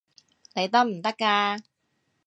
你得唔得㗎？